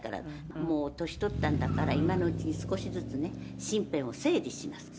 「もう年取ったんだから今のうちに少しずつね身辺を整理しなさいと。